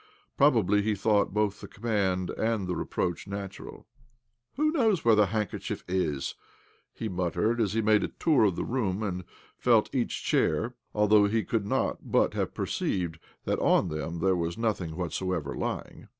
Prob ably he thought both the command and the reproach natural, " Who knows where the handkerchief is ?" he muttered as he made a tour of the room and felt each chair (although he could not but have perceived that on them there was nothing whatsoever lying).